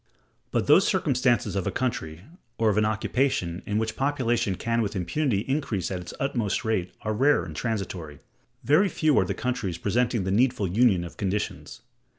But those circumstances of a country, or of an occupation, in which population can with impunity increase at its utmost rate, are rare and transitory. Very few are the countries presenting the needful union of conditions.